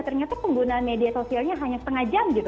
ternyata penggunaan media sosialnya hanya setengah jam gitu